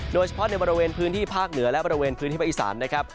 โดยเฉพาะในบริเวณพื้นที่ภาคเหนือและบริเวณพื้นที่ภาคอีสานนะครับ